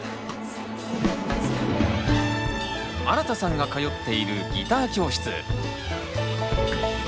あらたさんが通っているギター教室。